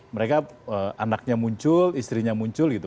mereka anaknya muncul istrinya muncul gitu